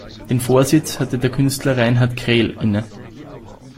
Den Vorsitz hatte der Künstler Reinhard Krehl inne.